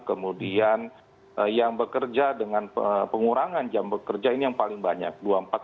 kemudian yang bekerja dengan pengurangan jam bekerja ini yang paling banyak